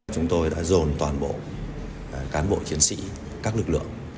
chúng tôi đã dồn toàn bộ cán bộ chiến sĩ các lực lượng